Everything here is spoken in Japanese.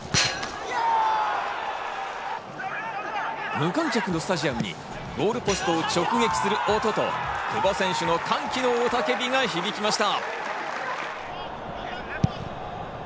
無観客のスタジアムにゴールポストを直撃する音と久保選手の歓喜の雄たけびが上がりました。